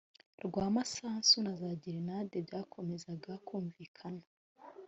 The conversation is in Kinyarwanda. rw amasasu na za gerenade byakomezaga kumvikana